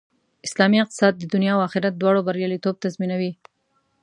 اسلامي اقتصاد د دنیا او آخرت دواړو بریالیتوب تضمینوي